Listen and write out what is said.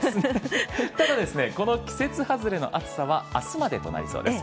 ただ、この季節はずれの暑さは明日までとなりそうです。